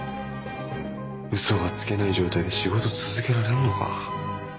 嘘がつけない状態で仕事続けられんのか？